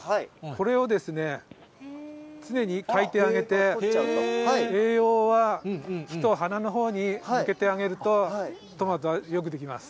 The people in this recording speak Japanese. これを常にかいてあげて、栄養は茎と花のほうに向けてあげると、トマトはよく出来ます。